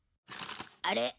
あれ？